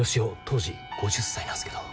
当時５０歳なんすけど。